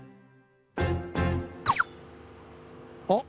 あっ！